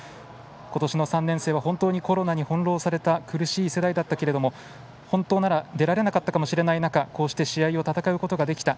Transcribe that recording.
今年の３年生は本当にコロナに翻弄された苦しい世代だったけれども本当なら出られなかったかもしれない中こうして試合を戦うことができた。